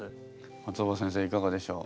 松尾葉先生いかがでしょう？